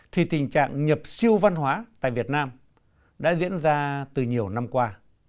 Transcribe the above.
thì tình trạng nhập siêu văn hóa tại việt nam đã diễn ra từ nhiều năm qua